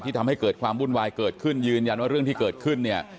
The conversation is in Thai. ทำให้เกิดความวุ่นวายเกิดขึ้นยืนยันว่าเรื่องที่เกิดขึ้นเนี่ย